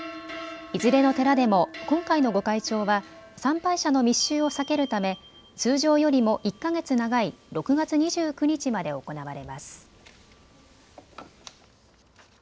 いずれの寺でも今回の御開帳は参拝者の密集を避けるため通常よりも１か月長い６月２９日まで行われます。